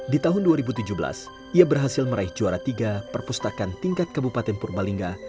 di tahun dua ribu tujuh belas ia berhasil meraih juara tiga perpustakaan tingkat kabupaten purbalingga